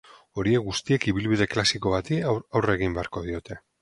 Horiek guztiek ibilbide klasiko bati aurre egin beharko diote.